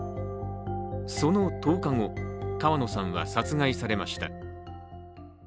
その１０日後、川野さんは殺害されました。